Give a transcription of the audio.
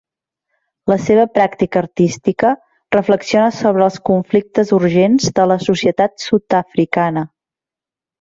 La seva pràctica artística reflexiona sobre els conflictes urgents de la societat sud-africana.